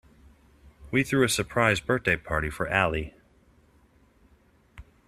We threw a surprise birthday party for Ali.